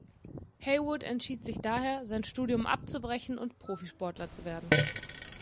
Haywood entschied sich daher, sein Studium abzubrechen und Profisportler zu werden.